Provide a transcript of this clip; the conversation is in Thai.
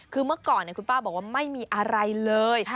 คือเมื่อก่อนคุณป้าบอกว่าไม่มีอะไรเลย